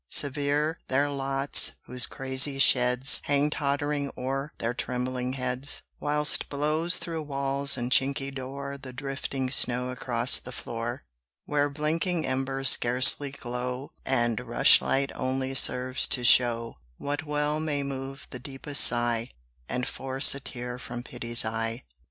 Severe their lots whose crazy sheds Hang tottering o'er their trembling heads: Whilst blows through walls and chinky door The drifting snow across the floor, Where blinking embers scarcely glow, And rushlight only serves to show What well may move the deepest sigh, And force a tear from pity's eye.